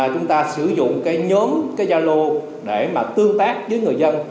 chúng ta sử dụng cái nhóm cái gia lô để mà tương tác với người dân